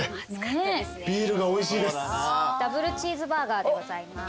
ダブルチーズバーガーでございます。